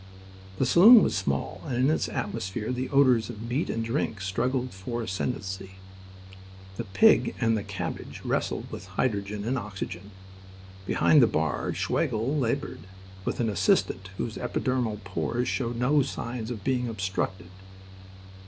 The saloon was small, and in its atmosphere the odours of meat and drink struggled for the ascendancy. The pig and the cabbage wrestled with hydrogen and oxygen. Behind the bar Schwegel laboured with an assistant whose epidermal pores showed no signs of being obstructed.